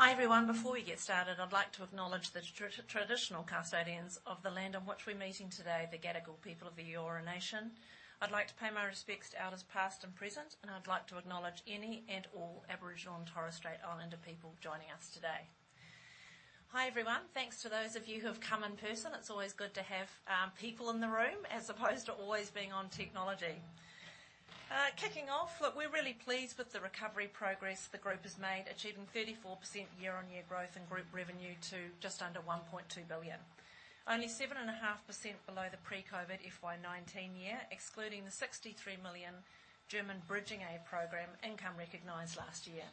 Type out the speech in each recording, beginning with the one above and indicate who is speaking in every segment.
Speaker 1: Hi, everyone. Before we get started, I'd like to acknowledge the traditional custodians of the land on which we're meeting today, the Gadigal people of the Eora Nation. I'd like to pay my respects to elders, past and present, and I'd like to acknowledge any and all Aboriginal and Torres Strait Islander people joining us today. Hi, everyone. Thanks to those of you who have come in person. It's always good to have people in the room as opposed to always being on technology. Kicking off, look, we're really pleased with the recovery progress the group has made, achieving 34% year-on-year growth in group revenue to just under 1.2 billion. Only 7.5% below the pre-COVID FY 2019 year, excluding the 63 million German Bridging Aid Program income recognized last year.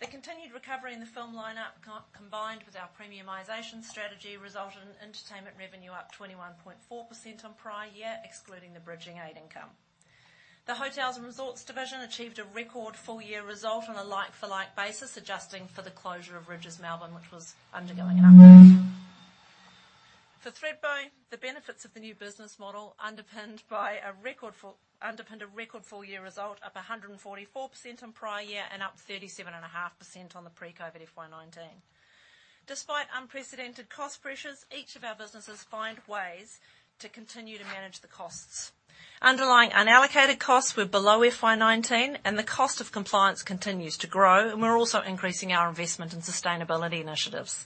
Speaker 1: The continued recovery in the film lineup combined with our premiumization strategy, resulted in entertainment revenue up 21.4% on prior year, excluding the Bridging Aid income. The Hotels and Resorts division achieved a record full-year result on a like-for-like basis, adjusting for the closure of Rydges Melbourne, which was undergoing an upgrade. For Thredbo, the benefits of the new business model, underpinned by a record full-year result, up 144% on prior year and up 37.5% on the pre-COVID FY 2019. Despite unprecedented cost pressures, each of our businesses find ways to continue to manage the costs. Underlying unallocated costs were below FY 2019, and the cost of compliance continues to grow, and we're also increasing our investment in sustainability initiatives.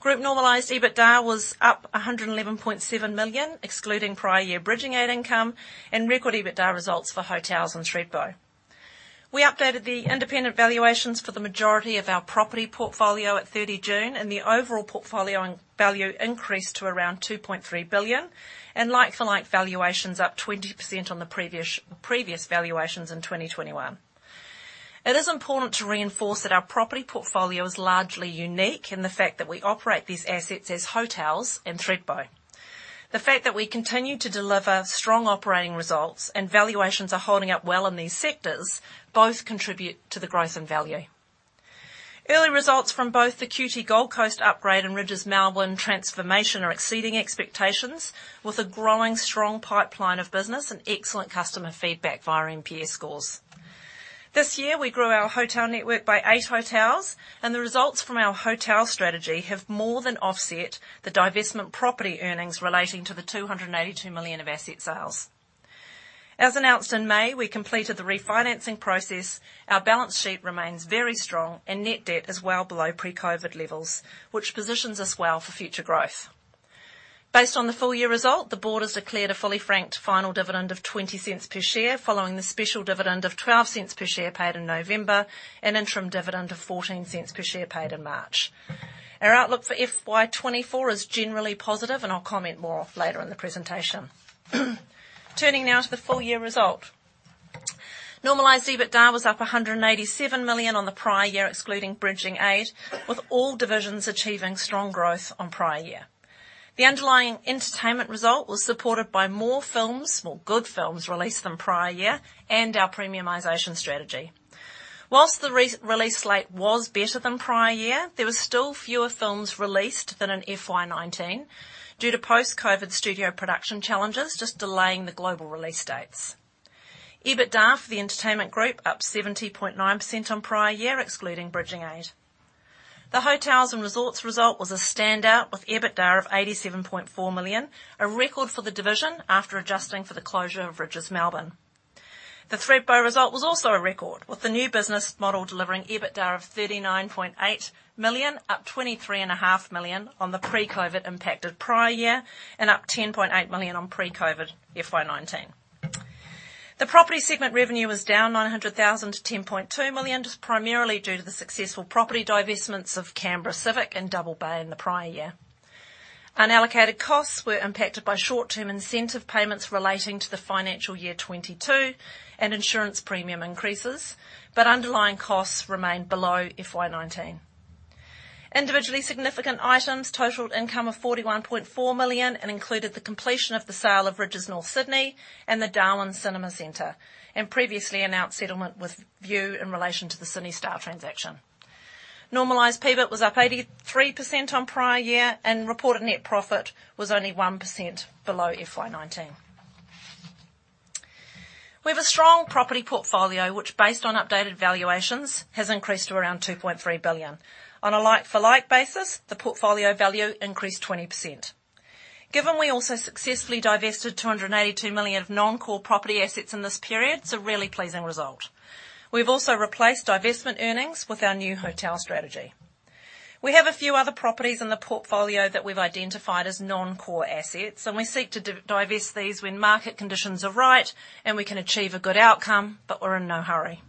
Speaker 1: Group normalized EBITDA was up 111.7 million, excluding prior year Bridging Aid income and record EBITDA results for hotels in Thredbo. We updated the independent valuations for the majority of our property portfolio at 30 June, and the overall portfolio in value increased to around 2.3 billion, and like-for-like valuations up 20% on the previous, previous valuations in 2021. It is important to reinforce that our property portfolio is largely unique in the fact that we operate these assets as hotels in Thredbo. The fact that we continue to deliver strong operating results and valuations are holding up well in these sectors, both contribute to the growth and value. Early results from both the QT Gold Coast upgrade and Rydges Melbourne transformation are exceeding expectations, with a growing strong pipeline of business and excellent customer feedback via NPS scores. This year, we grew our hotel network by eight hotels, and the results from our hotel strategy have more than offset the divestment property earnings relating to the 282 million of asset sales. As announced in May, we completed the refinancing process. Our balance sheet remains very strong, and net debt is well below pre-COVID levels, which positions us well for future growth. Based on the full-year result, the board has declared a fully franked final dividend of 0.20 per share, following the special dividend of 0.12 per share paid in November, and interim dividend of 0.14 per share paid in March. Our outlook for FY 2024 is generally positive, and I'll comment more later in the presentation. Turning now to the full-year result. Normalized EBITDA was up 187 million on the prior year, excluding Bridging Aid, with all divisions achieving strong growth on prior year. The underlying entertainment result was supported by more films, more good films released than prior year and our premiumization strategy. While the re-release slate was better than prior year, there were still fewer films released than in FY 2019 due to post-COVID studio production challenges, just delaying the global release dates. EBITDA for the entertainment group, up 70.9% on prior year, excluding Bridging Aid. The Hotels and Resorts result was a standout with EBITDA of 87.4 million, a record for the division after adjusting for the closure of Rydges Melbourne. The Thredbo result was also a record, with the new business model delivering EBITDA of 39.8 million, up 23.5 million on the pre-COVID impacted prior year, and up 10.8 million on pre-COVID FY 2019. The property segment revenue was down 900,000-10.2 million, primarily due to the successful property divestments of Canberra Civic and Double Bay in the prior year. Unallocated costs were impacted by short-term incentive payments relating to the financial year 2022 and insurance premium increases, but underlying costs remained below FY 2019. Individually significant items totaled income of 41.4 million and included the completion of the sale of Rydges North Sydney and the Darwin Cinema Centre, and previously announced settlement with Vue in relation to the CineStar transaction. Normalized PBIT was up 83% on prior year, and reported net profit was only 1% below FY 2019. We have a strong property portfolio, which, based on updated valuations, has increased to around 2.3 billion. On a like-for-like basis, the portfolio value increased 20%. Given we also successfully divested 282 million of non-core property assets in this period, it's a really pleasing result. We've also replaced divestment earnings with our new hotel strategy. We have a few other properties in the portfolio that we've identified as non-core assets, and we seek to divest these when market conditions are right, and we can achieve a good outcome, but we're in no hurry.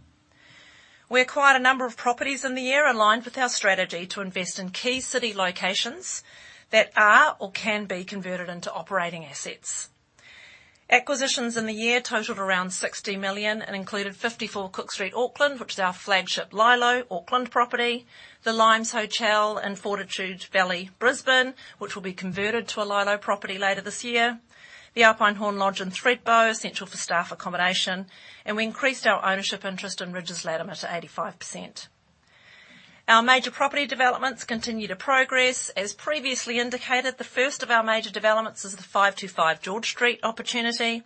Speaker 1: We acquired a number of properties in the year aligned with our strategy to invest in key city locations that are or can be converted into operating assets. Acquisitions in the year totaled around 60 million and included 54 Cook Street, Auckland, which is our flagship LyLo Auckland property, the Limes Hotel in Fortitude Valley, Brisbane, which will be converted to a LyLo property later this year, the Alpenhorn Lodge in Thredbo, essential for staff accommodation, and we increased our ownership interest in Rydges Latimer to 85%. Our major property developments continue to progress. As previously indicated, the first of our major developments is the 525 George Street opportunity.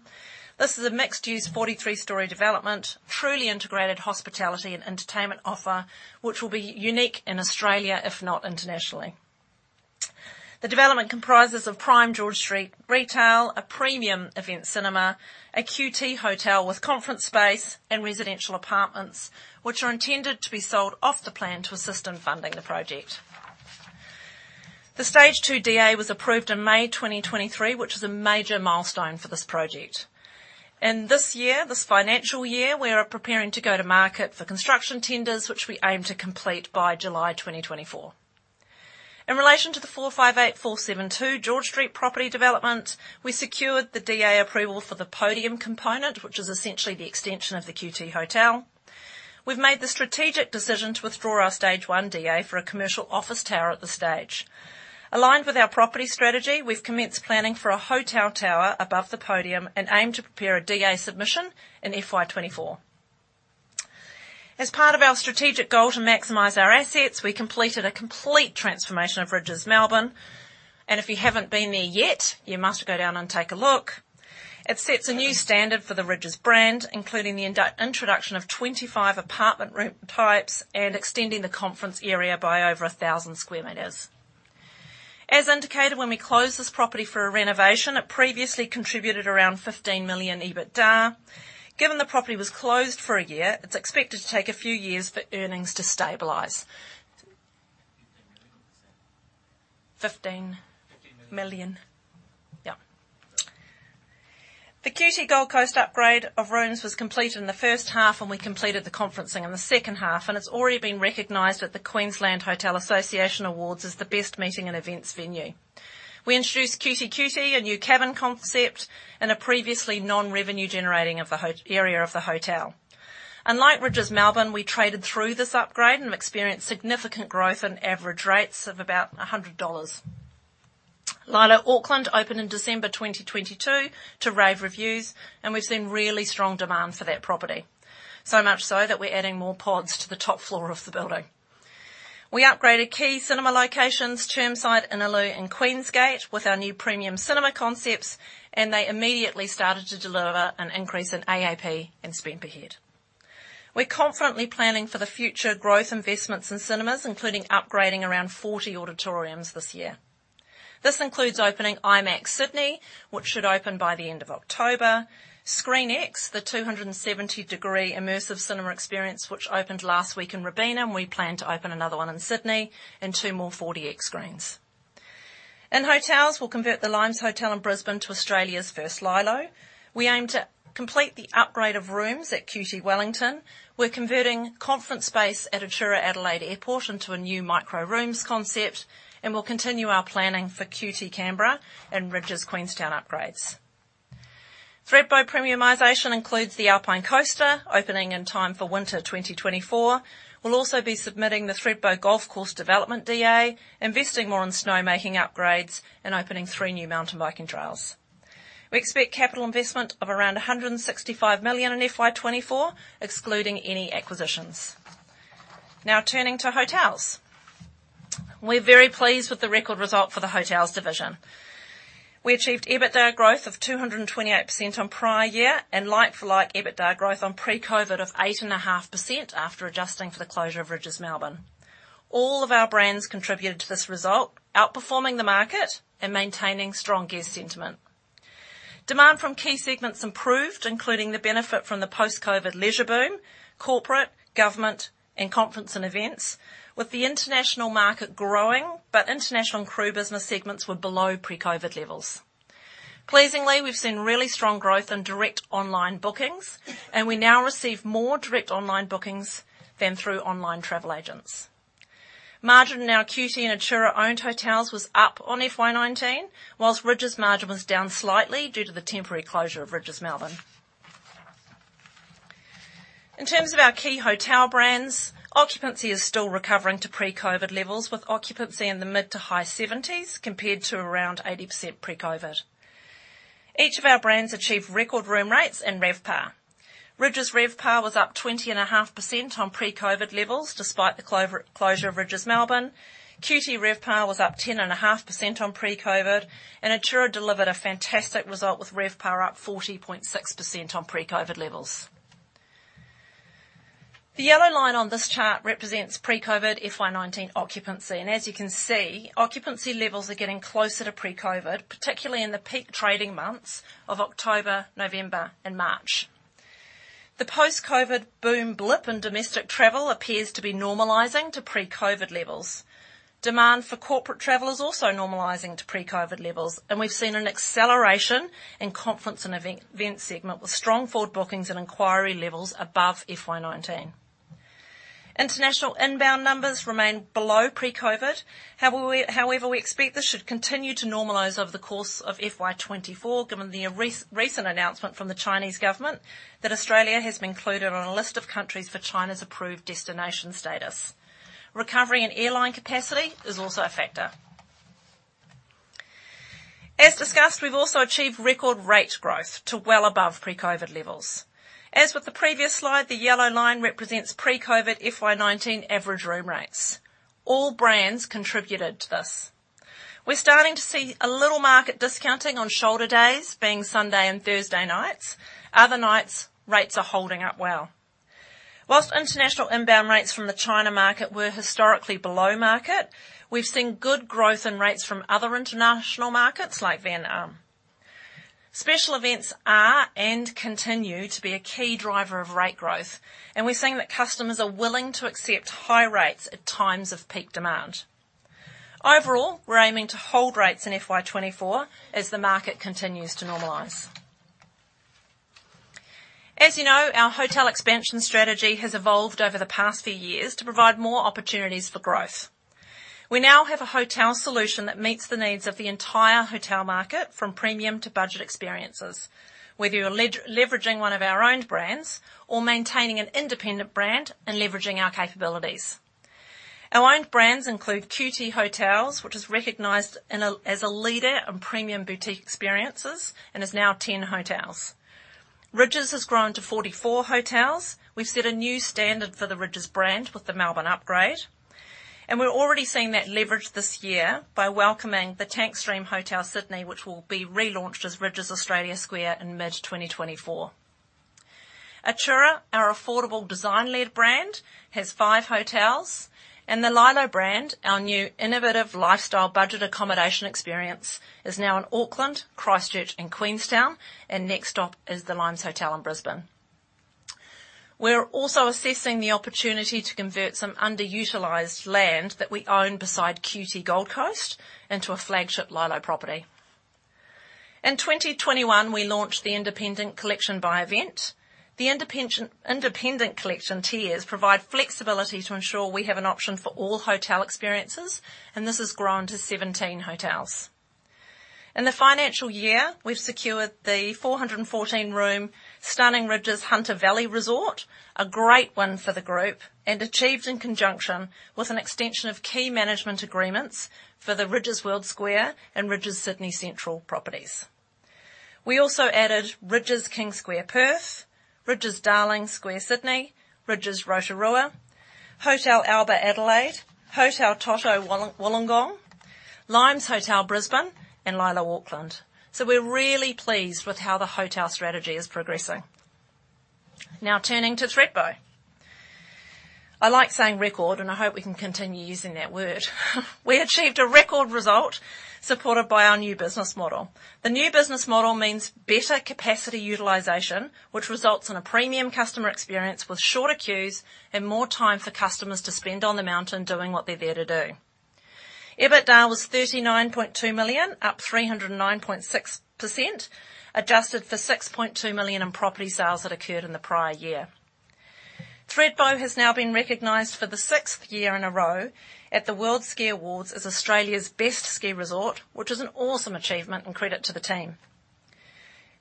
Speaker 1: This is a mixed-use, 43-story development, truly integrated hospitality and entertainment offer, which will be unique in Australia, if not internationally. The development comprises of prime George Street retail, a premium Event cinema, a QT hotel with conference space and residential apartments, which are intended to be sold off the plan to assist in funding the project. The Stage Two DA was approved in May 2023, which is a major milestone for this project. In this year, this financial year, we are preparing to go to market for construction tenders, which we aim to complete by July 2024. In relation to the 458/472 George Street property development, we secured the DA approval for the podium component, which is essentially the extension of the QT hotel. We've made the strategic decision to withdraw our Stage One DA for a commercial office tower at this stage. Aligned with our property strategy, we've commenced planning for a hotel tower above the podium and aim to prepare a DA submission in FY 2024. As part of our strategic goal to maximize our assets, we completed a complete transformation of Rydges Melbourne, and if you haven't been there yet, you must go down and take a look. It sets a new standard for the Rydges brand, including the introduction of 25 apartment room types and extending the conference area by over 1,000 sq m. As indicated, when we closed this property for a renovation, it previously contributed around 15 million EBITDA. Given the property was closed for a year, it's expected to take a few years for earnings to stabilize. The QT Gold Coast upgrade of rooms was completed in the first half, and we completed the conferencing in the second half, and it's already been recognized at the Queensland Hotel Association Awards as the best meeting and events venue. We introduced QT, a new cabin concept in a previously non-revenue generating area of the hotel. Unlike Rydges Melbourne, we traded through this upgrade and experienced significant growth in average rates of about 100 dollars. LyLo Auckland opened in December 2022 to rave reviews, and we've seen really strong demand for that property. So much so, that we're adding more pods to the top floor of the building. We upgraded key cinema locations, Chermside, Innaloo, and Queensgate, with our new premium cinema concepts, and they immediately started to deliver an increase in AAP and spend per head. We're confidently planning for the future growth investments in cinemas, including upgrading around 40 auditoriums this year. This includes opening IMAX Sydney, which should open by the end of October. ScreenX, the 270-degree immersive cinema experience, which opened last week in Robina, and we plan to open another one in Sydney and two more 4DX screens. In hotels, we'll convert the Limes Hotel in Brisbane to Australia's first LyLo. We aim to complete the upgrade of rooms at QT Wellington. We're converting conference space at Atura Adelaide Airport into a new micro rooms concept, and we'll continue our planning for QT Canberra and Rydges Queenstown upgrades. Thredbo premiumization includes the Alpine Coaster, opening in time for winter 2024. We'll also be submitting the Thredbo Golf Course Development DA, investing more in snowmaking upgrades, and opening three new mountain biking trails. We expect capital investment of around 165 million in FY 2024, excluding any acquisitions. Now, turning to hotels. We're very pleased with the record result for the hotels division. We achieved EBITDA growth of 228% on prior year and like-for-like EBITDA growth on pre-COVID of 8.5%, after adjusting for the closure of Rydges Melbourne. All of our brands contributed to this result, outperforming the market and maintaining strong guest sentiment. Demand from key segments improved, including the benefit from the post-COVID leisure boom, corporate, government, and conference and events, with the international market growing, but international and crew business segments were below pre-COVID levels. Pleasingly, we've seen really strong growth in direct online bookings, and we now receive more direct online bookings than through online travel agents. Margin in our QT and Atura owned hotels was up on FY 2019, while Rydges' margin was down slightly due to the temporary closure of Rydges Melbourne. In terms of our key hotel brands, occupancy is still recovering to pre-COVID levels, with occupancy in the mid- to high 70s, compared to around 80% pre-COVID. Each of our brands achieved record room rates and RevPAR. Rydges RevPAR was up 20.5% on pre-COVID levels, despite the closure of Rydges Melbourne. QT RevPAR was up 10.5% on pre-COVID, and Atura delivered a fantastic result with RevPAR up 40.6% on pre-COVID levels. The yellow line on this chart represents pre-COVID FY 2019 occupancy, and as you can see, occupancy levels are getting closer to pre-COVID, particularly in the peak trading months of October, November, and March. The post-COVID boom blip in domestic travel appears to be normalizing to pre-COVID levels. Demand for corporate travel is also normalizing to pre-COVID levels, and we've seen an acceleration in conference and events segment, with strong forward bookings and inquiry levels above FY 2019. International inbound numbers remain below pre-COVID. However, we expect this should continue to normalize over the course of FY 2024, given the recent announcement from the Chinese government that Australia has been included on a list of countries for China's approved destination status. Recovery in airline capacity is also a factor. As discussed, we've also achieved record rate growth to well above pre-COVID levels. As with the previous slide, the yellow line represents pre-COVID FY 2019 average room rates. All brands contributed to this. We're starting to see a little market discounting on shoulder days, being Sunday and Thursday nights. Other nights, rates are holding up well. While international inbound rates from the China market were historically below market, we've seen good growth in rates from other international markets like Vietnam. Special events are and continue to be a key driver of rate growth, and we're seeing that customers are willing to accept high rates at times of peak demand. Overall, we're aiming to hold rates in FY 2024 as the market continues to normalize. As you know, our hotel expansion strategy has evolved over the past few years to provide more opportunities for growth. We now have a hotel solution that meets the needs of the entire hotel market, from premium to budget experiences, whether you're leveraging one of our own brands or maintaining an independent brand and leveraging our capabilities. Our own brands include QT Hotels, which is recognized in as a leader in premium boutique experiences and is now 10 hotels. Rydges has grown to 44 hotels. We've set a new standard for the Rydges brand with the Melbourne upgrade, and we're already seeing that leverage this year by welcoming the Tank Stream Hotel Sydney, which will be relaunched as Rydges Australia Square in mid-2024. Atura, our affordable design-led brand, has five hotels, and the LyLo brand, our new innovative lifestyle budget accommodation experience, is now in Auckland, Christchurch, and Queenstown, and next stop is the Limes Hotel in Brisbane. We're also assessing the opportunity to convert some underutilized land that we own beside QT Gold Coast into a flagship LyLo property. In 2021, we launched the Independent Collection by Event. The Independent Collection tiers provide flexibility to ensure we have an option for all hotel experiences, and this has grown to 17 hotels. In the financial year, we've secured the 414-room stunning Rydges Hunter Valley Resort, a great win for the group and achieved in conjunction with an extension of key management agreements for the Rydges World Square and Rydges Sydney Central properties. We also added Rydges Kings Square, Perth, Rydges Darling Square, Sydney, Rydges Rotorua, Hotel Alba, Adelaide, Hotel Totto, Wollongong, Limes Hotel, Brisbane, and LyLo, Auckland. So we're really pleased with how the hotel strategy is progressing. Now, turning to Thredbo. I like saying record, and I hope we can continue using that word. We achieved a record result supported by our new business model. The new business model means better capacity utilization, which results in a premium customer experience with shorter queues and more time for customers to spend on the mountain doing what they're there to do. EBITDA was 39.2 million, up 309.6%, adjusted for 6.2 million in property sales that occurred in the prior year. Thredbo has now been recognized for the sixth year in a row at the World Ski Awards as Australia's Best Ski Resort, which is an awesome achievement and credit to the team.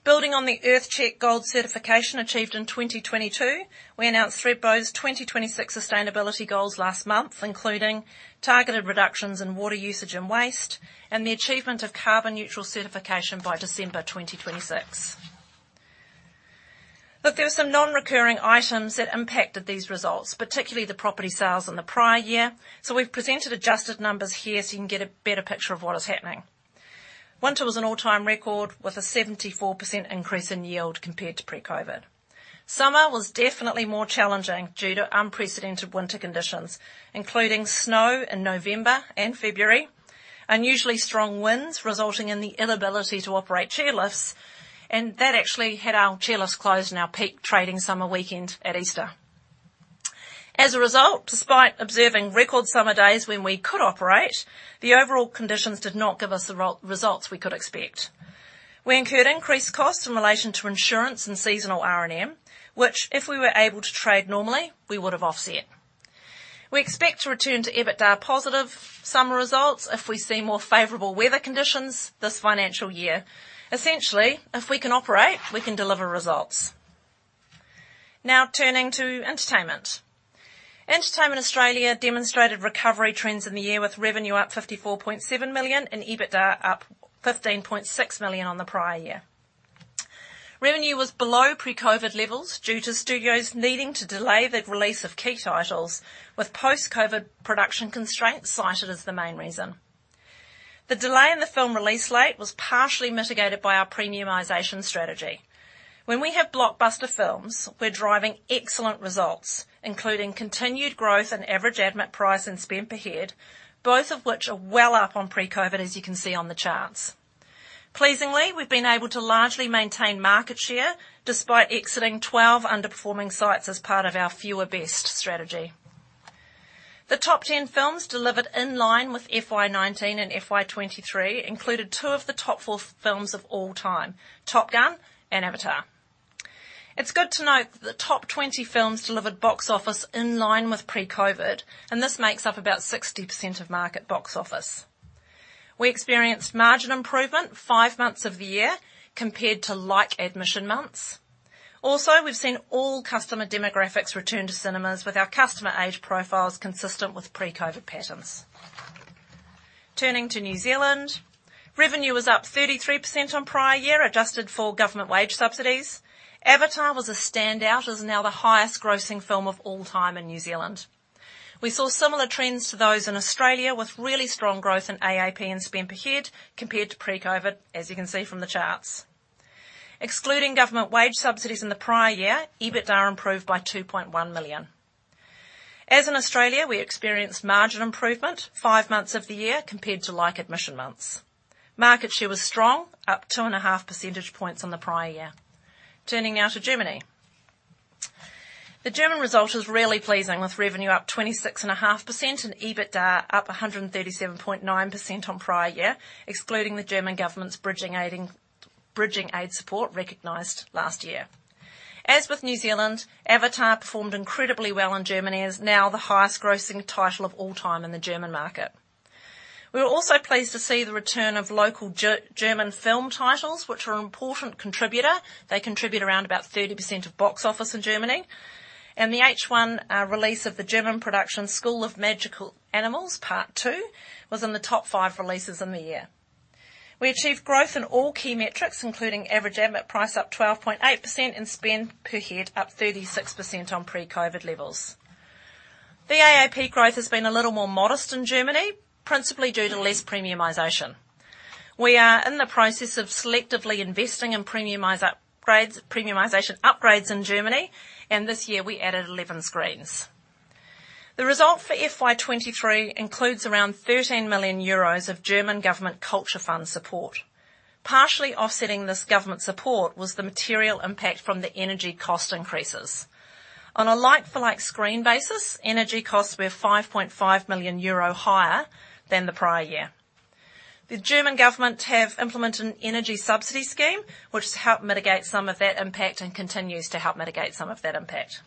Speaker 1: Building on the EarthCheck Gold certification achieved in 2022, we announced Thredbo's 2026 sustainability goals last month, including targeted reductions in water usage and waste and the achievement of carbon neutral certification by December 2026. Look, there were some non-recurring items that impacted these results, particularly the property sales in the prior year, so we've presented adjusted numbers here so you can get a better picture of what is happening. Winter was an all-time record, with a 74% increase in yield compared to pre-COVID. Summer was definitely more challenging due to unprecedented winter conditions, including snow in November and February, unusually strong winds resulting in the inability to operate chairlifts, and that actually had our chairlifts closed on our peak trading summer weekend at Easter. As a result, despite observing record summer days when we could operate, the overall conditions did not give us the results we could expect. We incurred increased costs in relation to insurance and seasonal R&M, which, if we were able to trade normally, we would have offset. We expect to return to EBITDA positive summer results if we see more favorable weather conditions this financial year. Essentially, if we can operate, we can deliver results. Now, turning to entertainment. Entertainment Australia demonstrated recovery trends in the year, with revenue up 54.7 million and EBITDA up 15.6 million on the prior year. Revenue was below pre-COVID levels due to studios needing to delay the release of key titles, with post-COVID production constraints cited as the main reason. The delay in the film release date was partially mitigated by our premiumization strategy. When we have blockbuster films, we're driving excellent results, including continued growth in average admit price and spend per head, both of which are well up on pre-COVID, as you can see on the charts. Pleasingly, we've been able to largely maintain market share despite exiting 12 underperforming sites as part of our fewer, best strategy. The top 10 films delivered in line with FY 2019 and FY 2023 included two of the top four films of all time, Top Gun and Avatar. It's good to note that the top 20 films delivered box office in line with pre-COVID, and this makes up about 60% of market box office. We experienced margin improvement five months of the year compared to like admission months. Also, we've seen all customer demographics return to cinemas, with our customer age profiles consistent with pre-COVID patterns. Turning to New Zealand, revenue was up 33% on prior year, adjusted for government wage subsidies. Avatar was a standout as now the highest grossing film of all time in New Zealand. We saw similar trends to those in Australia, with really strong growth in AAP and spend per head, compared to pre-COVID, as you can see from the charts. Excluding government wage subsidies in the prior year, EBITDA improved by 2.1 million. As in Australia, we experienced margin improvement five months of the year compared to like admission months. Market share was strong, up 2.5 percentage points on the prior year. Turning now to Germany. The German result is really pleasing, with revenue up 26.5% and EBITDA up 137.9% on prior year, excluding the German government's bridging aiding, bridging aid support recognized last year. As with New Zealand, Avatar performed incredibly well in Germany and is now the highest grossing title of all time in the German market. We were also pleased to see the return of local German film titles, which are an important contributor. They contribute around about 30% of box office in Germany, and the H1 release of the German production, School of Magical Animals: Part Two, was in the top five releases in the year. We achieved growth in all key metrics, including average admit price, up 12.8% and spend per head up 36% on pre-COVID levels. The AAP growth has been a little more modest in Germany, principally due to less premiumization. We are in the process of selectively investing in premiumize upgrades, premiumization upgrades in Germany, and this year we added 11 screens. The result for FY 2023 includes around 13 million euros of German government culture fund support. Partially offsetting this government support was the material impact from the energy cost increases. On a like-for-like screen basis, energy costs were 5.5 million euro higher than the prior year. The German government have implemented an energy subsidy scheme, which has helped mitigate some of that impact and continues to help mitigate some of that impact.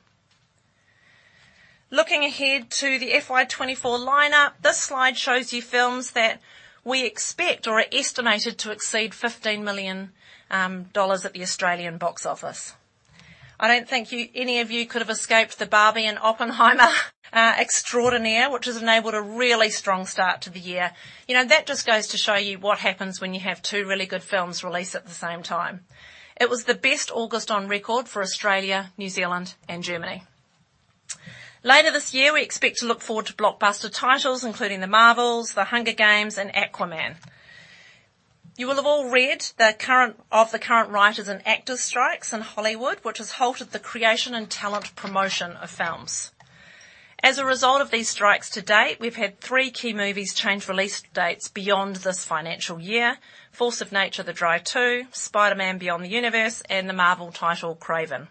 Speaker 1: Looking ahead to the FY 2024 lineup, this slide shows you films that we expect or are estimated to exceed 15 million dollars at the Australian box office. I don't think you, any of you could have escaped the Barbie and Oppenheimer extraordinaire, which has enabled a really strong start to the year. You know, that just goes to show you what happens when you have two really good films released at the same time. It was the best August on record for Australia, New Zealand and Germany. Later this year, we expect to look forward to blockbuster titles including The Marvels, The Hunger Games, and Aquaman. You will have all read the current writers and actors strikes in Hollywood, which has halted the creation and talent promotion of films. As a result of these strikes to date, we've had three key movies change release dates beyond this financial year: Force of Nature: The Dry 2, Spider-Man: Beyond the Universe, and the Marvel title, Kraven.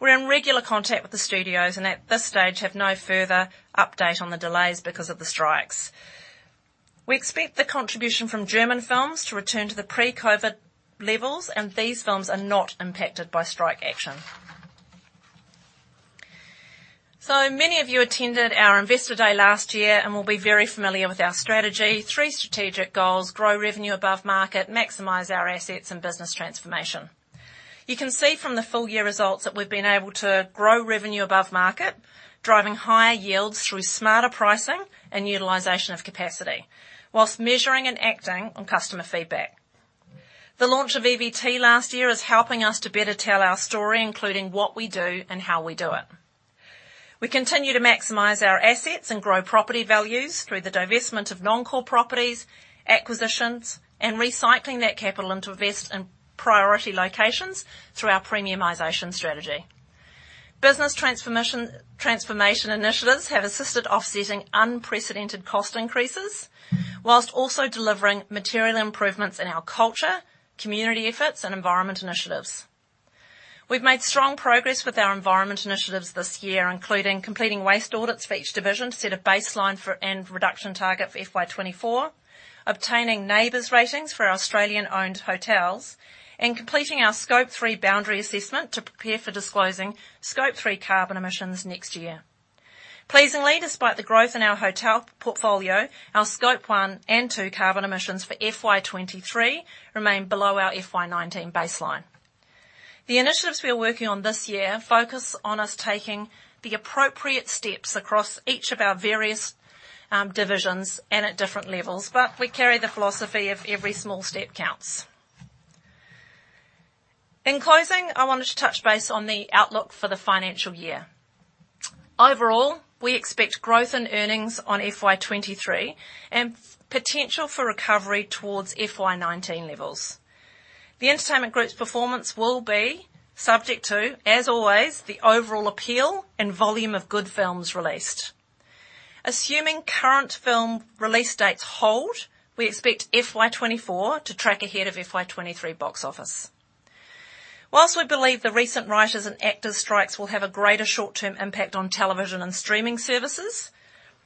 Speaker 1: We're in regular contact with the studios, and at this stage, have no further update on the delays because of the strikes. We expect the contribution from German films to return to the pre-COVID levels, and these films are not impacted by strike action. So many of you attended our Investor Day last year and will be very familiar with our strategy. Three strategic goals: grow revenue above market, maximize our assets, and business transformation. You can see from the full year results that we've been able to grow revenue above market, driving higher yields through smarter pricing and utilization of capacity, while measuring and acting on customer feedback. The launch of EVT last year is helping us to better tell our story, including what we do and how we do it. We continue to maximize our assets and grow property values through the divestment of non-core properties, acquisitions, and recycling that capital into invest in priority locations through our premiumization strategy. Business transformation, transformation initiatives have assisted offsetting unprecedented cost increases, while also delivering material improvements in our culture, community efforts, and environment initiatives. We've made strong progress with our environmental initiatives this year, including completing waste audits for each division to set a baseline and reduction target for FY 2024, obtaining NABERS ratings for our Australian-owned hotels, and completing our Scope 3 boundary assessment to prepare for disclosing Scope 3 carbon emissions next year. Pleasingly, despite the growth in our hotel portfolio, our Scope 1 and 2 carbon emissions for FY 2023 remain below our FY 2019 baseline. The initiatives we are working on this year focus on us taking the appropriate steps across each of our various divisions and at different levels, but we carry the philosophy of every small step counts. In closing, I wanted to touch base on the outlook for the financial year. Overall, we expect growth in earnings on FY 2023 and potential for recovery towards FY 2019 levels. The Entertainment Group's performance will be subject to, as always, the overall appeal and volume of good films released. Assuming current film release dates hold, we expect FY 2024 to track ahead of FY 2023 box office. While we believe the recent writers and actors strikes will have a greater short-term impact on television and streaming services,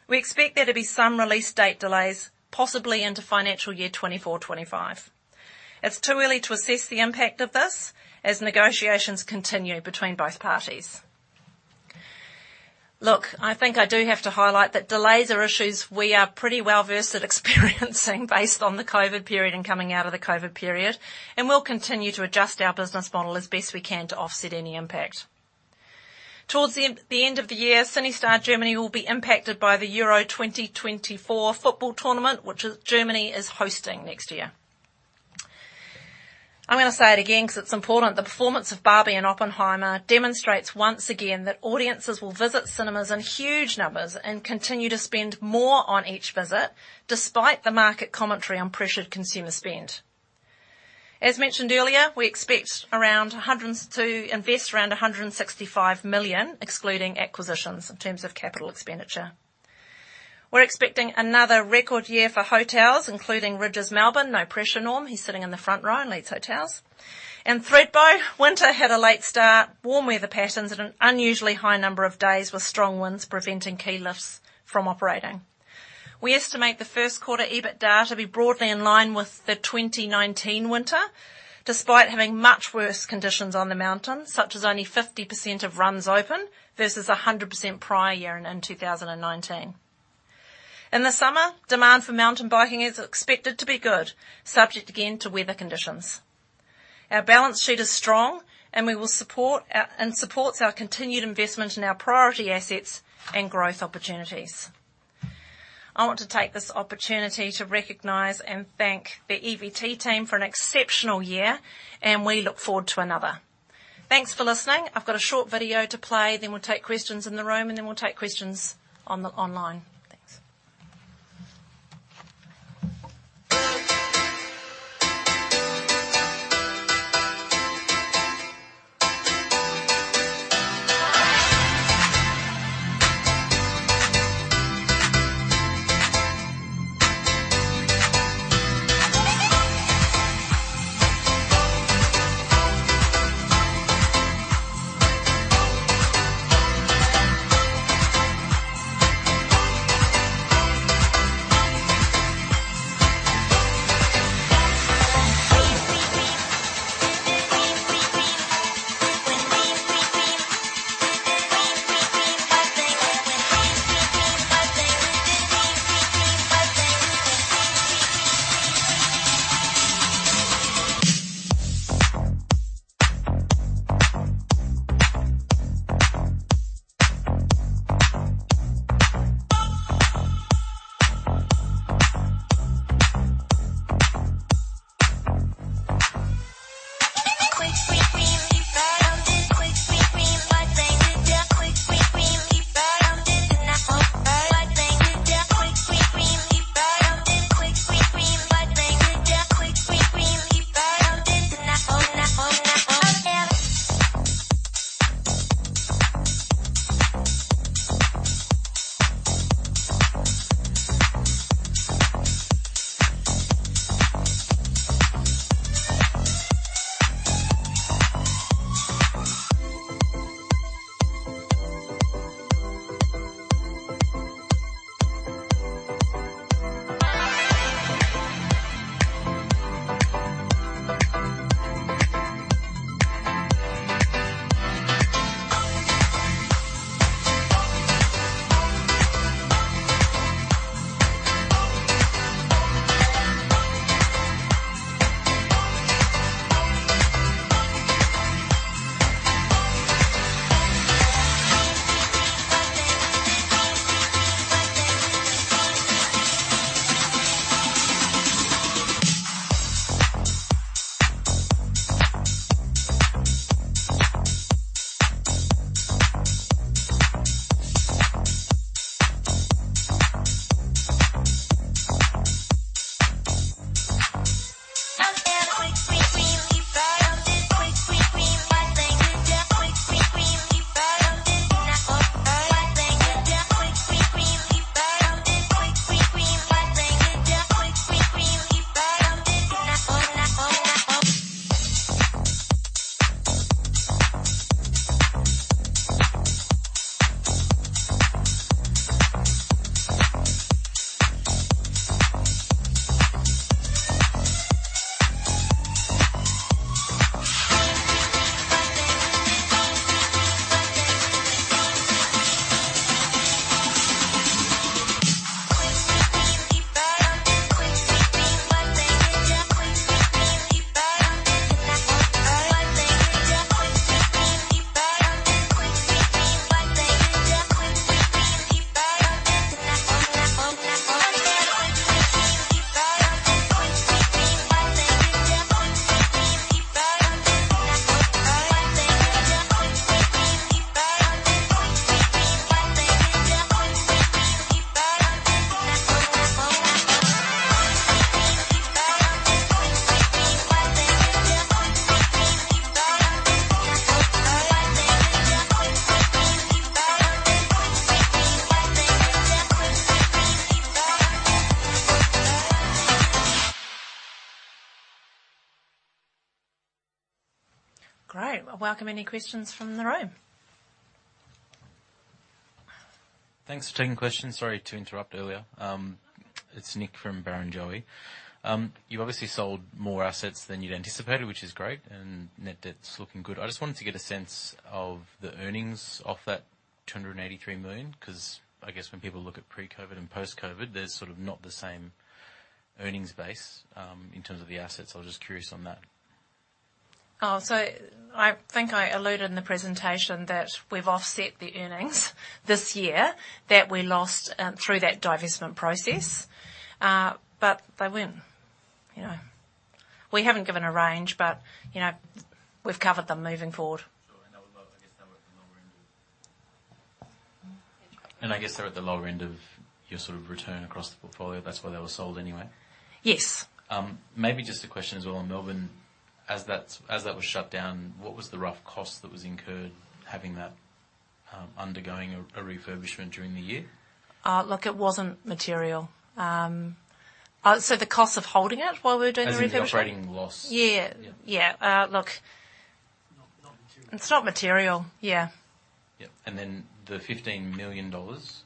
Speaker 1: we expect there to be some release date delays, possibly into financial year 2024, 2025. It's too early to assess the impact of this as negotiations continue between both parties. Look, I think I do have to highlight that delays are issues we are pretty well-versed at experiencing based on the COVID period and coming out of the COVID period, and we'll continue to adjust our business model as best we can to offset any impact. Towards the end of the year, CineStar Germany will be impacted by the Euro 2024 football tournament, which is, Germany is hosting next year. I'm gonna say it again 'cause it's important. The performance of Barbie and Oppenheimer demonstrates once again that audiences will visit cinemas in huge numbers and continue to spend more on each visit, despite the market commentary on pressured consumer spend. As mentioned earlier, we expect to invest around 165 million, excluding acquisitions, in terms of capital expenditure. We're expecting another record year for hotels, including Rydges Melbourne. No pressure, Norm. He's sitting in the front row and leads hotels. Thredbo winter had a late start, warm weather patterns, and an unusually high number of days with strong winds preventing key lifts from operating. We estimate the first quarter EBITDA to be broadly in line with the 2019 winter, despite having much worse conditions on the mountain, such as only 50% of runs open versus 100% prior year and in 2019. In the summer, demand for mountain biking is expected to be good, subject again to weather conditions. Our balance sheet is strong, and supports our continued investment in our priority assets and growth opportunities. I want to take this opportunity to recognize and thank the EVT team for an exceptional year, and we look forward to another. Thanks for listening. I've got a short video to play, then we'll take questions in the room, and then we'll take questions online. Thanks. Great. Well, welcome any questions from the room?
Speaker 2: Thanks for taking the question. Sorry to interrupt earlier. It's Nick from Barrenjoey. You've obviously sold more assets than you'd anticipated, which is great, and net debt's looking good. I just wanted to get a sense of the earnings off that 283 million, 'cause I guess when people look at pre-COVID and post-COVID, there's sort of not the same earnings base in terms of the assets. I was just curious on that.
Speaker 1: Oh, so I think I alluded in the presentation that we've offset the innings this year that we lost through that divestment process. But they weren't, you know. We haven't given a range, but, you know, we've covered them moving forward.
Speaker 2: Sure, and that was, I guess, that was the lower end of I guess they're at the lower end of your sort of return across the portfolio. That's why they were sold anyway.
Speaker 1: Yes.
Speaker 2: Maybe just a question as well on Melbourne. As that was shut down, what was the rough cost that was incurred having that undergoing a refurbishment during the year?
Speaker 1: Look, it wasn't material. So the cost of holding it while we were doing the refurbishment?
Speaker 2: As in operating loss.
Speaker 1: It's not material, yeah.
Speaker 2: Yeah, and then the 15 million dollars,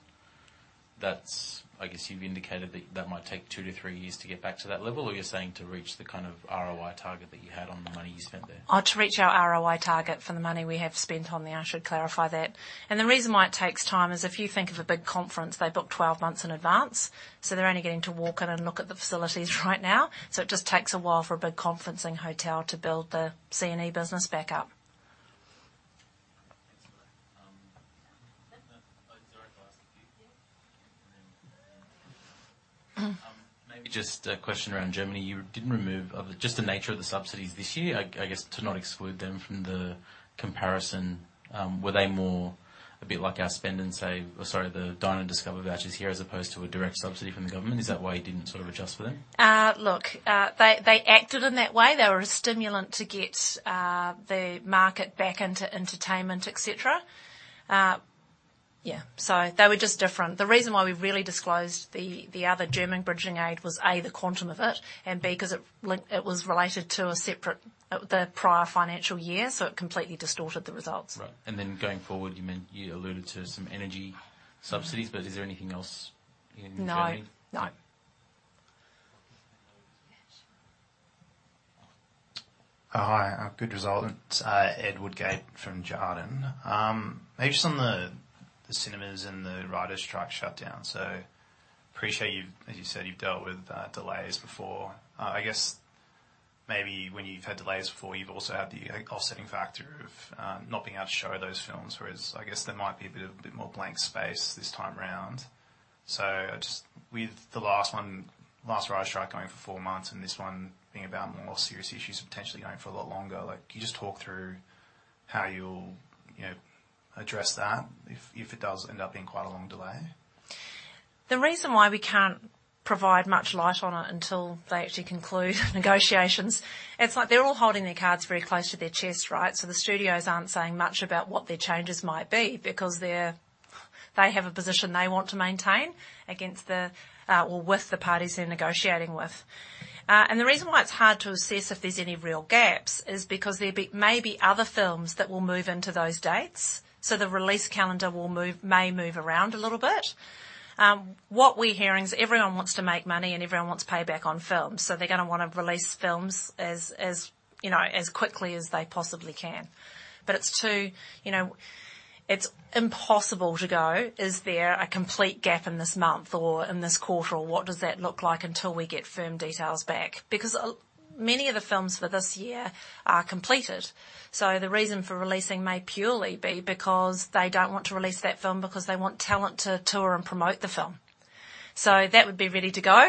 Speaker 2: that's I guess you've indicated that that might take two to three years to get back to that level, or you're saying to reach the kind of ROI target that you had on the money you spent there?
Speaker 1: Oh, to reach our ROI target for the money we have spent on there, I should clarify that. The reason why it takes time is, if you think of a big conference, they book 12 months in advance. So they're only getting to walk in and look at the facilities right now. So it just takes a while for a big conferencing hotel to build the C&E business back up.
Speaker 2: Maybe just a question around Germany. Just the nature of the subsidies this year, I guess, to not exclude them from the comparison. Were they more a bit like our spend and save, or, sorry, the Dine & Discover vouchers here as opposed to a direct subsidy from the government? Is that why you didn't sort of adjust for them?
Speaker 1: Look, they acted in that way. They were a stimulant to get the market back into entertainment, etc. Yeah, so they were just different. The reason why we really disclosed the other German bridging aid was, A, the quantum of it, and B, 'cause it was related to a separate, the prior financial year, so it completely distorted the results.
Speaker 2: Right. And then going forward, you meant, you alluded to some energy subsidies, but is there anything else in Germany?
Speaker 1: No. No.
Speaker 3: Hi, good result. It's, Ed Woodgate from Jarden. Maybe just on the cinemas and the writers' strike shutdown. So appreciate you've, as you said, you've dealt with, delays before. I guess, maybe when you've had delays before, you've also had the, an offsetting factor of, not being able to show those films. Whereas I guess there might be a bit of, a bit more blank space this time around. So just with the last one, last writers' strike going for four months, and this one being about more serious issues, potentially going for a lot longer, like, can you just talk through how you'll, you know, address that if it does end up being quite a long delay?
Speaker 1: The reason why we can't provide much light on it until they actually conclude negotiations, it's like they're all holding their cards very close to their chest, right? So the studios aren't saying much about what their changes might be, because they're, they have a position they want to maintain against the, or with the parties they're negotiating with. And the reason why it's hard to assess if there's any real gaps is because there be maybe other films that will move into those dates. So the release calendar will move, may move around a little bit. What we're hearing is everyone wants to make money, and everyone wants payback on films, so they're gonna wanna release films as, as, you know, as quickly as they possibly can. It's impossible to go, "Is there a complete gap in this month or in this quarter, or what does that look like?" until we get firm details back. Because many of the films for this year are completed. So the reason for releasing may purely be because they don't want to release that film, because they want talent to tour and promote the film. So that would be ready to go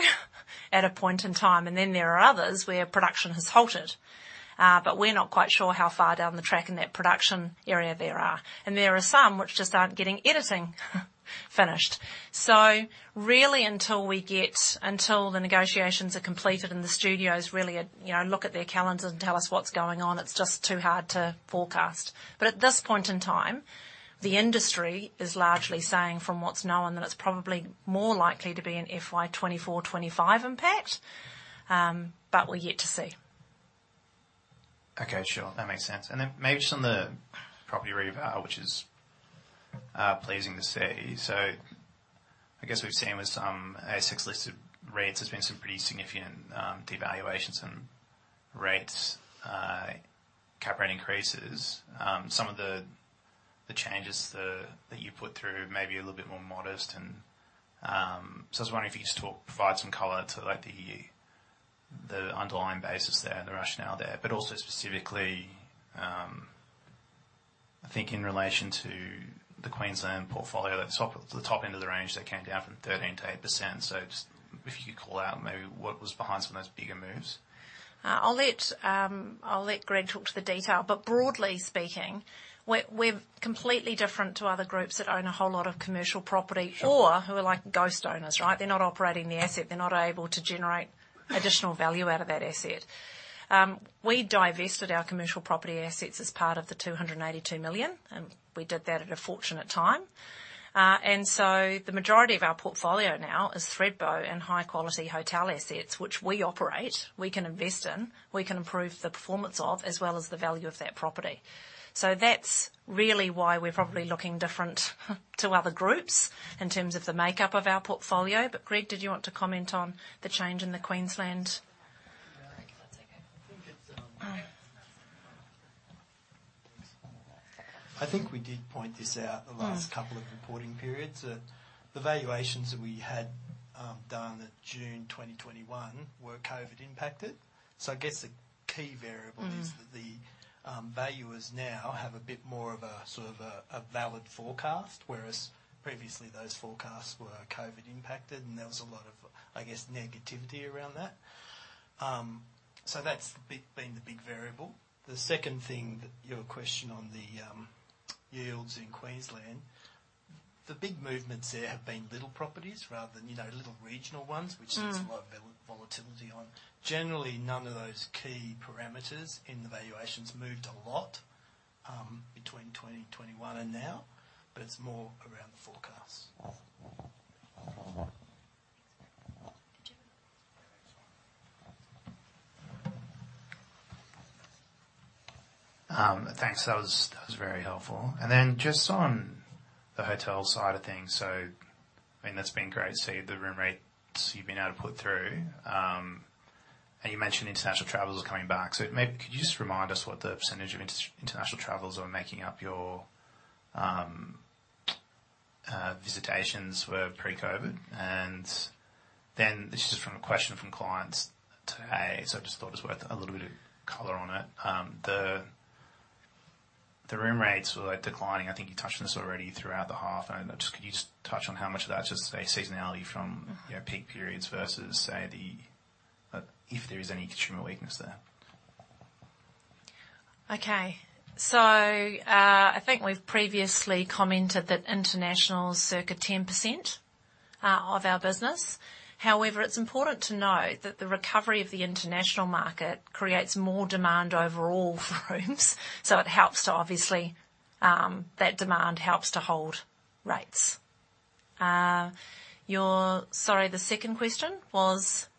Speaker 1: at a point in time. And then there are others where production has halted, but we're not quite sure how far down the track in that production area there are. And there are some which just aren't getting editing finished. So really, until the negotiations are completed and the studios really, you know, look at their calendar and tell us what's going on, it's just too hard to forecast. At this point in time, the industry is largely saying, from what's known, that it's probably more likely to be an FY 2024/2025 impact, but we're yet to see.
Speaker 3: That makes sense. And then maybe just on the property reval, which is pleasing to see. So I guess we've seen with some ASX-listed rates, there's been some pretty significant devaluations and rates cap rate increases. Some of the changes that you put through may be a little bit more modest. So I was wondering if you could just talk, provide some color to, like, the underlying basis there, the rationale there. But also specifically, I think in relation to the Queensland portfolio, that top end of the range, that came down from 13% to 8%. So just if you could call out maybe what was behind some of those bigger moves.
Speaker 1: I'll let, I'll let Greg talk to the detail. But broadly speaking, we're completely different to other groups that own a whole lot of commercial property or who are like ghost owners, right? They're not operating the asset. They're not able to generate additional value out of that asset. We divested our commercial property assets as part of the 282 million, and we did that at a fortunate time. And so the majority of our portfolio now is Thredbo and high-quality hotel assets, which we operate, we can invest in, we can improve the performance of, as well as the value of that property. So that's really why we're probably looking different to other groups in terms of the makeup of our portfolio. But Greg, did you want to comment on the change in the Queensland?
Speaker 4: Yeah.
Speaker 1: That's okay.
Speaker 4: I think we did point this out the last couple of reporting periods. The valuations that we had done at June 2021 were COVID impacted. So I guess the key variable is that the, valuers now have a bit more of a, sort of a, a valid forecast, whereas previously those forecasts were COVID impacted, and there was a lot of, I guess, negativity around that. So that's the big, been the big variable. The second thing that your question on the, yields in Queensland, the big movements there have been little properties rather than, you know, little regional ones which there's a lot of volatility on. Generally, none of those key parameters in the valuations moved a lot, between 2021 and now, but it's more around the forecast.
Speaker 3: That was very helpful. And then just on the hotel side of things. So, I mean, that's been great to see the room rates you've been able to put through. And you mentioned international travelers are coming back, so maybe could you just remind us what the percentage of international travelers are making up your visitations were pre-COVID? And then this is just from a question from clients today, so I just thought it was worth a little bit of color on it. The room rates were, like, declining. I think you touched on this already throughout the half. And just, could you just touch on how much of that is just, say, seasonality from, you know, peak periods versus, say, if there is any consumer weakness there?
Speaker 1: Okay. I think we've previously commented that international is circa 10% of our business. However, it's important to note that the recovery of the international market creates more demand overall for rooms, so it helps, obviously, that demand helps to hold rates. Sorry, the second question was?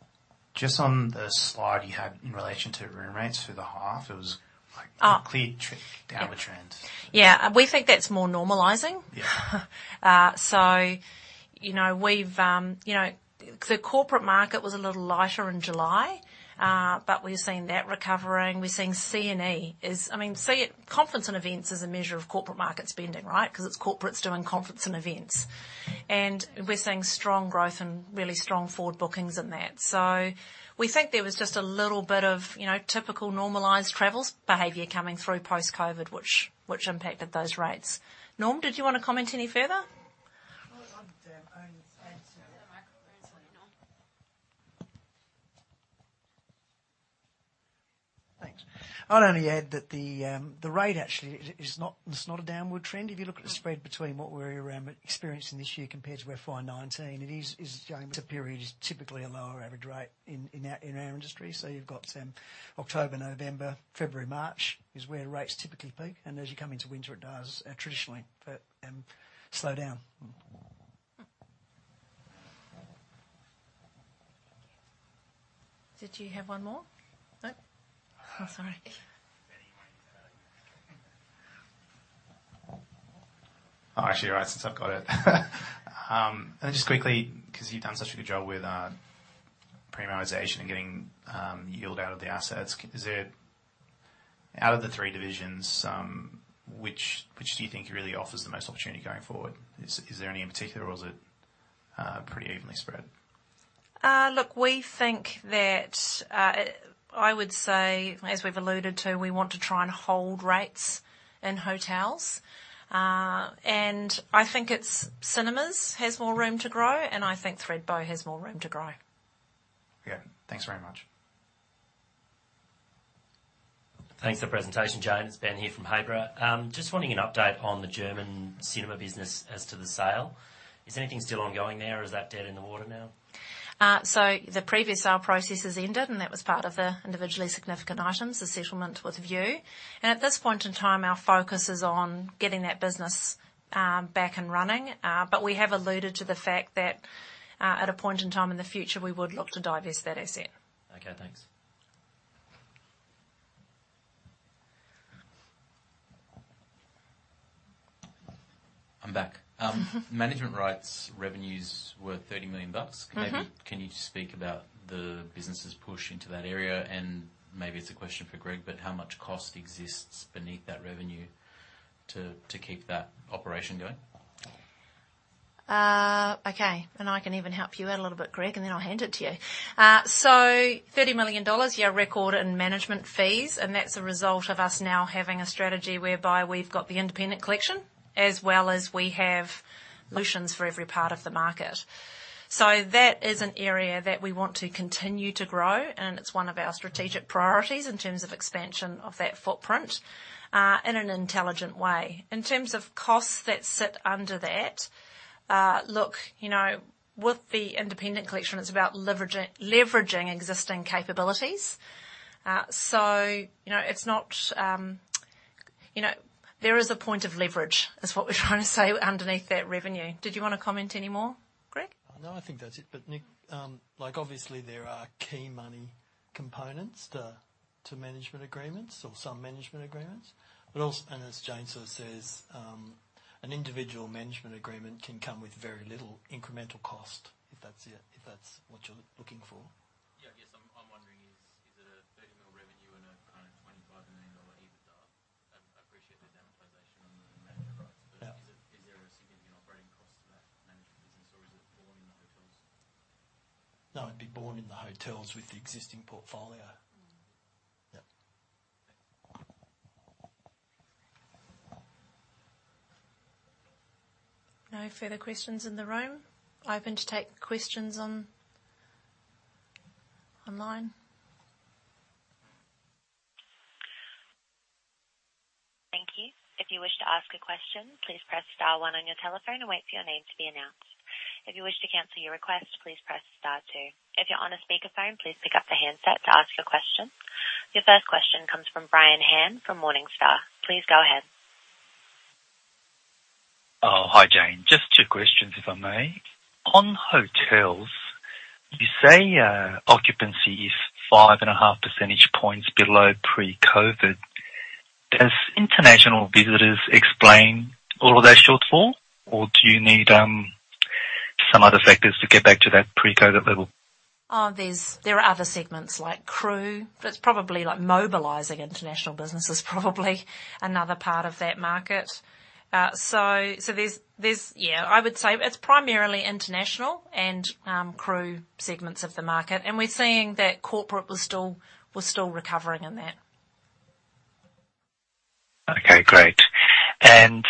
Speaker 3: Just on the slide you had in relation to room rates for the half, it was like a clear trend, downward trends.
Speaker 1: Yeah. We think that's more normalizing. The corporate market was a little lighter in July, but we're seeing that recovering. Conference and events is a measure of corporate market spending, right? Because it's corporates doing conference and events. And we're seeing strong growth and really strong forward bookings in that. So we think there was just a little bit of, you know, typical normalized travels behavior coming through post-COVID, which impacted those rates. Norm, did you want to comment any further?
Speaker 5: Thanks. I'd only add that the rate actually is not; it's not a downward trend. If you look at the spread between what we're around experiencing this year compared to where FY 2019 it is going to a period is typically a lower average rate in our industry. So you've got October, November, February, March is where rates typically peak, and as you come into winter, it does traditionally slow down.
Speaker 1: Did you have one more? No? Oh, sorry.
Speaker 3: Oh, actually, right, since I've got it. And just quickly, because you've done such a good job with premiumization and getting yield out of the assets, out of the three divisions, which do you think really offers the most opportunity going forward? Is there any in particular or is it pretty evenly spread?
Speaker 1: Look, we think that, I would say, as we've alluded to, we want to try and hold rates in hotels. And I think it's cinemas has more room to grow, and I think Thredbo has more room to grow.
Speaker 3: Okay, thanks very much.
Speaker 6: Thanks for the presentation, Jane. It's Ben here from Habra. Just wanting an update on the German cinema business as to the sale. Is anything still ongoing there or is that dead in the water now?
Speaker 1: The previous sale process has ended, and that was part of the individually significant items. The settlement was Vue. At this point in time, our focus is on getting that business back and running. We have alluded to the fact that at a point in time in the future, we would look to divest that asset.
Speaker 7: Okay, thanks.
Speaker 2: I'm back. Management rights revenues were 30 million bucks. Can you just speak about the business's push into that area? And maybe it's a question for Greg, but how much cost exists beneath that revenue to keep that operation going?
Speaker 1: Okay, and I can even help you out a little bit, Greg, and then I'll hand it to you. So 30 million dollars, yeah, record in management fees, and that's a result of us now having a strategy whereby we've got the Independent Collection, as well as we have solutions for every part of the market. So that is an area that we want to continue to grow, and it's one of our strategic priorities in terms of expansion of that footprint, in an intelligent way. In terms of costs that sit under that, look, you know, with the Independent Collection, it's about leverage-leveraging existing capabilities. So, you know, it's not, you know, there is a point of leverage, is what we're trying to say, underneath that revenue. Did you want to comment any more, Greg?
Speaker 4: No, I think that's it. But Nick, like, obviously, there are key money components to management agreements or some management agreements. But also, and as Jane sort of says, an individual management agreement can come with very little incremental cost, if that's it, if that's what you're looking for.
Speaker 2: Yeah. Yes, annual revenue and a kind of AUD 25 million EBITDA. I appreciate the democratization on the management price, is there a significant operating cost to that management business, or is it borne in the hotels?
Speaker 4: No, it'd be borne in the hotels with the existing portfolio.
Speaker 1: No further questions in the room. Open to take questions online.
Speaker 8: Thank you. If you wish to ask a question, please press star one on your telephone and wait for your name to be announced. If you wish to cancel your request, please press star two. If you're on a speakerphone, please pick up the handset to ask your question. Your first question comes from Brian Han from Morningstar. Please go ahead.
Speaker 9: Oh, hi, Jane. Just two questions, if I may. On hotels, you say, occupancy is 5.5 percentage points below pre-COVID. Does international visitors explain all of that shortfall, or do you need, some other factors to get back to that pre-COVID level?
Speaker 1: There are other segments like crew. But it's probably like mobilizing international business is probably another part of that market. Yeah, I would say it's primarily international and crew segments of the market. And we're seeing that corporate was recovering in that.
Speaker 9: Okay, great. And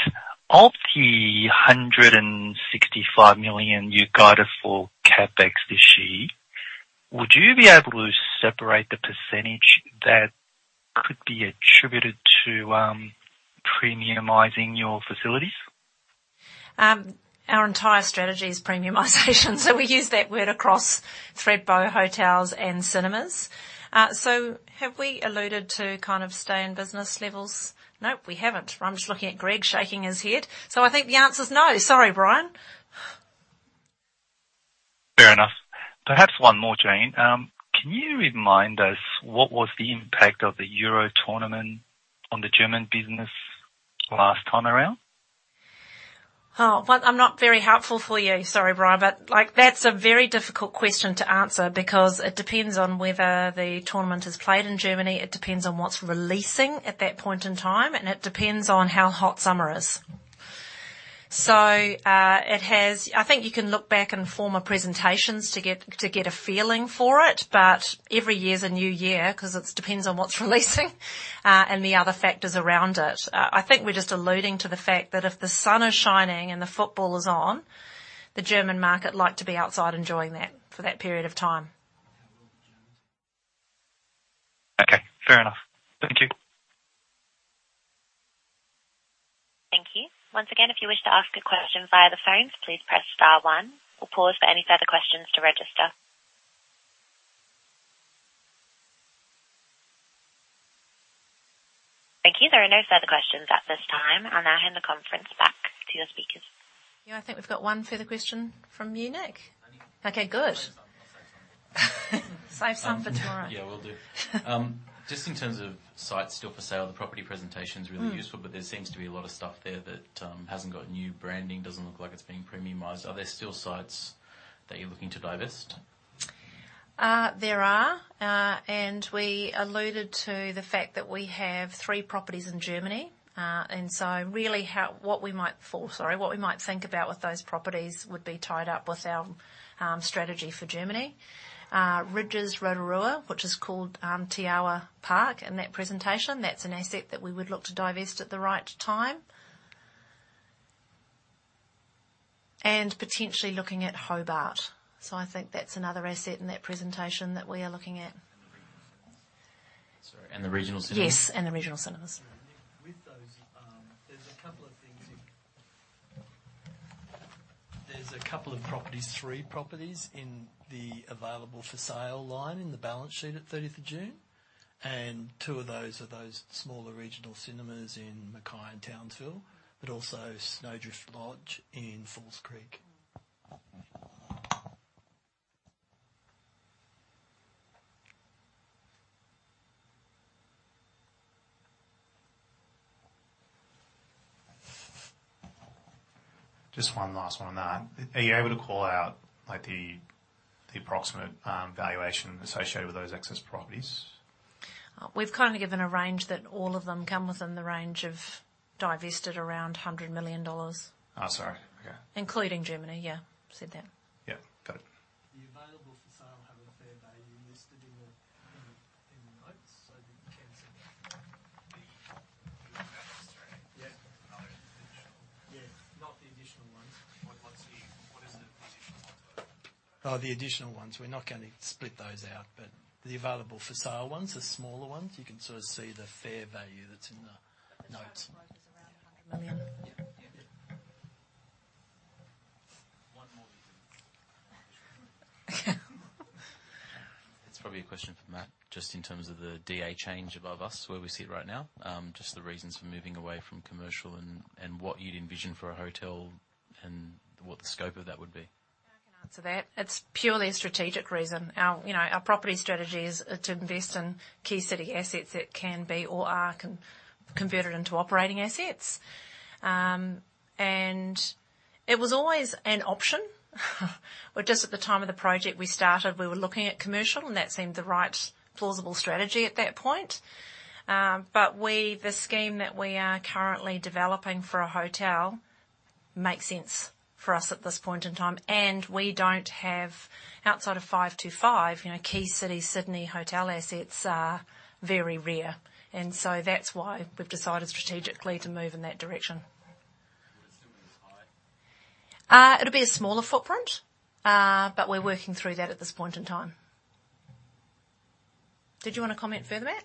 Speaker 9: of the 165 million you guided for CapEx this year, would you be able to separate the percentage that could be attributed to premiumizing your facilities?
Speaker 1: Our entire strategy is premiumization, so we use that word across Thredbo Hotels and Cinemas. So have we alluded to kind of stay in business levels? Nope, we haven't. I'm just looking at Greg shaking his head, so I think the answer is no. Sorry, Brian.
Speaker 9: Fair enough. Perhaps one more, Jane. Can you remind us what was the impact of the Euro tournament on the German business last time around?
Speaker 1: Oh, well, I'm not very helpful for you. Sorry, Brian, but, like, that's a very difficult question to answer because it depends on whether the tournament is played in Germany, it depends on what's releasing at that point in time, and it depends on how hot summer is. So, it has. I think you can look back in former presentations to get a feeling for it, but every year is a new year 'cause it depends on what's releasing, and the other factors around it. I think we're just alluding to the fact that if the sun is shining and the football is on, the German market like to be outside enjoying that for that period of time.
Speaker 9: Okay, fair enough. Thank you.
Speaker 8: Thank you. Once again, if you wish to ask a question via the phone, please press star one. We'll pause for any further questions to register. Thank you. There are no further questions at this time. I'll now hand the conference back to your speakers.
Speaker 1: Yeah, I think we've got one further question from you Nick. Okay, good. Save some for tomorrow.
Speaker 2: Yeah, will do. Just in terms of sites still for sale, the property presentation is really useful, but there seems to be a lot of stuff there that hasn't got new branding, doesn't look like it's being premiumized. Are there still sites that you're looking to divest?
Speaker 1: There are. And we alluded to the fact that we have three properties in Germany. And so really, what we might think about with those properties would be tied up with our strategy for Germany. Rydges Rotorua, which is called Te Arawa Park. In that presentation, that's an asset that we would look to divest at the right time. And potentially looking at Hobart. So I think that's another asset in that presentation that we are looking at.
Speaker 2: Sorry, and the regional cinemas?
Speaker 1: Yes, and the regional cinemas.
Speaker 4: With those, there's a couple of things. There's a couple of properties, three properties in the available-for-sale line in the balance sheet at 30th June, and two of those are those smaller regional cinemas in Mackay and Townsville, but also Snowdrift Lodge in Falls Creek.
Speaker 2: Just one last one on that. Are you able to call out, like, the approximate valuation associated with those excess properties?
Speaker 1: We've kind of given a range that all of them come within the range of divested around 100 million dollars.
Speaker 2: Oh, sorry. Okay.
Speaker 1: Including Germany. Yeah, said that.
Speaker 2: Yeah. Got it.
Speaker 4: The available-for-sale have a fair value listed in the notes, so you can see that. Yeah, not the additional ones.
Speaker 2: What are the additional ones?
Speaker 4: Oh, the additional ones, we're not going to split those out, but the available-for-sale ones, the smaller ones, you can sort of see the fair value that's in the notes.
Speaker 1: The total is around AUD 100 million.
Speaker 4: Yeah. Yeah.
Speaker 2: One more. It's probably a question for Matt, just in terms of the DA change above us, where we sit right now, just the reasons for moving away from commercial and what you'd envision for a hotel and what the scope of that would be.
Speaker 1: I can answer that. It's purely a strategic reason. Our, you know, our property strategy is to invest in key city assets that can be or are converted into operating assets. And it was always an option. Well, just at the time of the project we started, we were looking at commercial, and that seemed the right plausible strategy at that point. The scheme that we are currently developing for a hotel makes sense for us at this point in time, and we don't have. Outside of 525, you know, key city Sydney hotel assets are very rare, and so that's why we've decided strategically to move in that direction. It'll be a smaller footprint, but we're working through that at this point in time. Did you want to comment further, Matt?